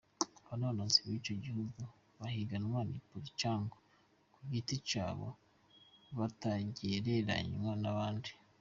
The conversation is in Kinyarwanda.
Abanonotsi b'ico gihugu bahiganwa i Pyeonchang ku giti cabo, batagereranywa n'abandi.